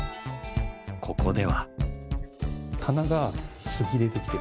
ここでは。